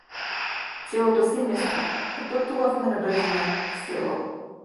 Целото семејство отпатувавме набрзина в село.